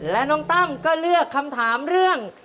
และน้องตั้มก็เลือกคำถามเรื่อง